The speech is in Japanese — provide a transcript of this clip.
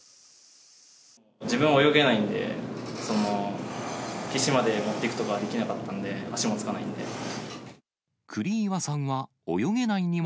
自分は泳げないんで、岸まで持っていくとかはできなかったので、足もつかないので。